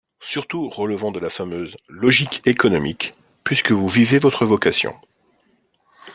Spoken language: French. surtout relevant de la fameuse 'logique économique' : puisque vous vivez votre vocation